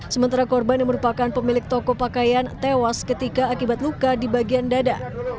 sementara korban yang merupakan pemilik toko pakaian tewas ketika akibat luka di bagian dada